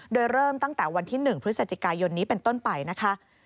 โดยเริ่มตั้งแต่วันที่๑พฤศจิกายนนี้เป็นต้นไปนะคะ